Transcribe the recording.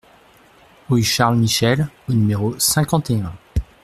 Rue Charles Michels au numéro cinquante et un